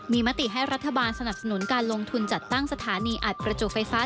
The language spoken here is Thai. มีมติให้รัฐบาลสนับสนุนการลงทุนจัดตั้งสถานีอัดประจุไฟฟ้า